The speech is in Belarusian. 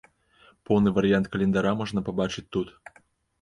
Поўны варыянт календара можна пабачыць тут.